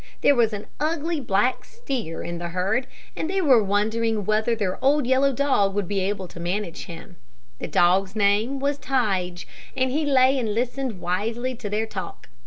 There was an ugly, black steer in the herd, and they were wondering whether their old yellow dog would be able to manage him. The dog's name was Tige, and he lay and listened wisely to their talk.